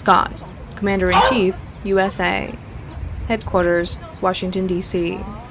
SCOTT, Commander in Chief, U. S. A. " Headquarters, "Washington, D. C.